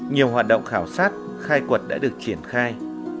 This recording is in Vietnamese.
nhiều hoạt động khảo sát khai quật đã được triển khai